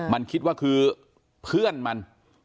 มันคิดว่าคือเพื่อนมัน